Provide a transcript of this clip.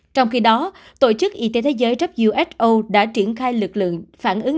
trong khi đó tổ chức y tế thế giới who đã triển khai lực lượng phản ứng